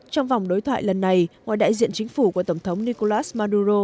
trong vòng đối thoại lần này ngoài đại diện chính phủ của tổng thống nicolas maduro